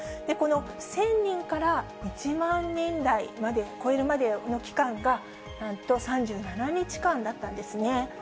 この１０００人から１万人台まで、超えるまでの期間が、なんと３７日間だったんですね。